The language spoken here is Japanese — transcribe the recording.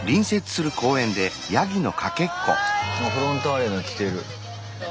あフロンターレの着てる。